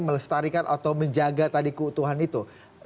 melestarikan atau menjaga tadi keutuhan itu